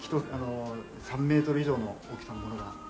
３メートル以上の大きさのものが。